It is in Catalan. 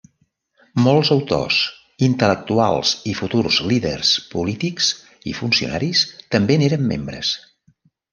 Molts autors, intel·lectuals i futurs líders polítics i funcionaris també n'eren membres.